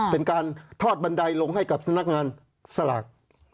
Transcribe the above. เป็นการทอดบันไดลงให้กับสำนักงานสลาก